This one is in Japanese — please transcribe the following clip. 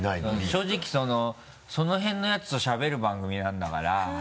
正直その辺のヤツとしゃべる番組なんだから。